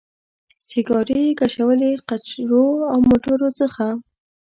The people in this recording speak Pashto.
چې ګاډۍ یې کشولې، قچرو او موټرو څخه.